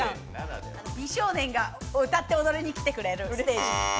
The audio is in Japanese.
美少年が歌って踊りに来てくれるステージ。